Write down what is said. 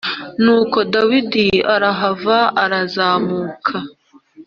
Nuko Dawidi arahava arazamuka